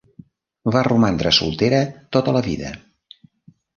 Va romandre soltera tota la vida.